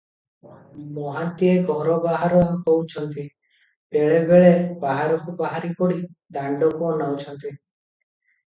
ମହାନ୍ତିଏ ଘର ବାହାର ହଉଛନ୍ତି, ବେଳେ ବେଳେ ବାହାରକୁ ବାହାରି ପଡ଼ି ଦାଣ୍ଡକୁ ଅନାଉଛନ୍ତି ।